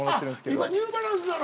今ニューバランスなの？